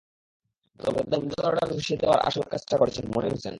তবে তাদের middle order ধসিয়ে দেওয়ার আসল কাজটা করেছেন মনির হোসেন।